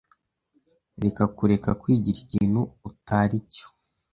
[S] Reka kureka kwigira ikintu utari cyo.